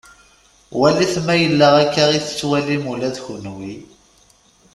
Walit ma yella akka i t-tettwalim ula d kunwi.